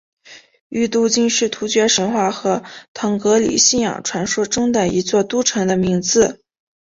于都斤是突厥神话和腾格里信仰传说中的一座都城的名字。